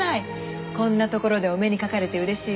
こんな所でお目にかかれて嬉しいわ。